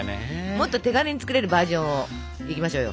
もっと手軽に作れるバージョンをいきましょうよ！